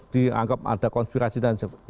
dianggap ada konspirasi dan sebagainya